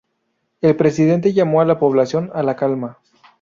El Presidente llamó a la población a la calma.